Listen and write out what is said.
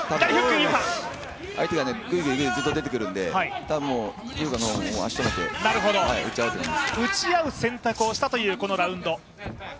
相手がぐいぐいずっと出てくるので井岡も足を止めて打ち合う選択をしたというこのラウンド。